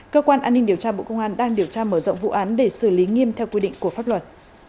cơ quan an ninh điều tra bộ công an đang điều tra mở rộng vụ án để xử lý nghiêm theo quy định của pháp luật